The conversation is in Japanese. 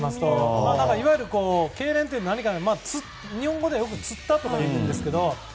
いわゆるけいれんって何かというと日本語ではよくつったとか言うんですが。